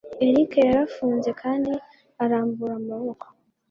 Eric yarafunze kandi arambura amaboko.